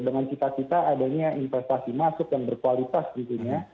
dengan cita cita adanya investasi masuk yang berkualitas gitu ya